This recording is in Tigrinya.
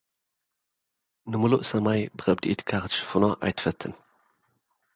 ንምሉእ ሰማይ ብኸብዲ ኢድካ ክትሽፍኖ ኣይትፈትን።